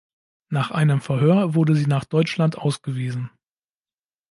Nach einem Verhör wurde sie nach Deutschland ausgewiesen.